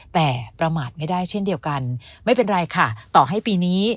แต่ประมาทไม่ได้เช่นเดียวกันไม่เป็นไรค่ะต่อให้ปีนี้